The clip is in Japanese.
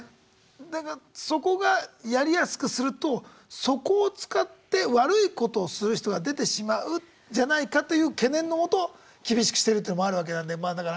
だけどそこがやりやすくするとそこを使って悪いことをする人が出てしまうんじゃないかという懸念のもと厳しくしてるっていうのもあるわけなんでまあだから。